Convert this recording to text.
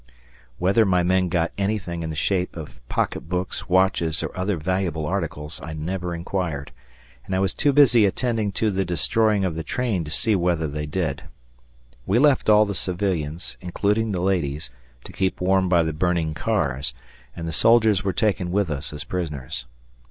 Whether my men got anything in the shape of pocketbooks, watches, or other valuable articles, I never inquired, and I was too busy attending to the destroying of the train to see whether they did. We left all the civilians, including the ladies, to keep warm by the burning cars, and the soldiers were taken with us as prisoners.